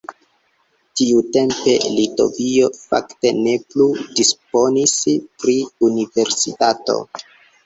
Tiutempe Litovio fakte ne plu disponis pri universitato.